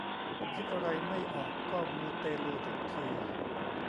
คิดอะไรไม่ออกก็มูเตลูทุกที